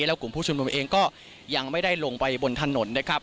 แล้วกลุ่มผู้ชุมนุมเองก็ยังไม่ได้ลงไปบนถนนนะครับ